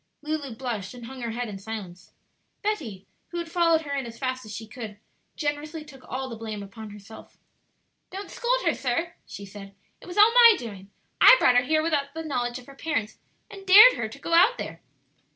Lulu blushed and hung her head in silence. Betty, who had followed her in as fast as she could, generously took all the blame upon herself. "Don't scold her, sir," she said; "it was all my doing. I brought her here without the knowledge of her parents, and dared her to go out there."